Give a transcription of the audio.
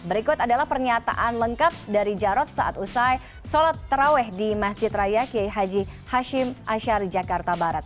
berikut adalah pernyataan lengkap dari jarod saat usai sholat terawih di masjid raya kiai haji hashim asyari jakarta barat